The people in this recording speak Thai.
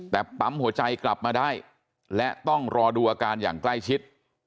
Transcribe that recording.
แต่ปั๊มหัวใจกลับมาได้และต้องรอดูอาการอย่างใกล้ชิด